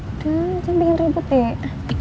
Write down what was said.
udah jangan bikin ribut deh